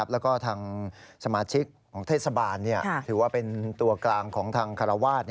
แล้วก็ทางสมาชิกของเทศบาลถือว่าเป็นตัวกลางของทางคารวาส